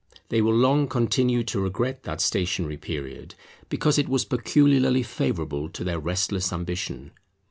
They will long continue to regret that stationary period, because it was peculiarly favourable to their restless ambition.